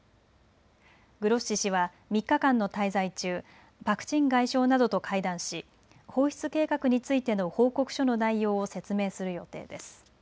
グロッシ氏は３日間の滞在中、パク・チン外相などと会談し放出計画についての報告書の内容を説明する予定です。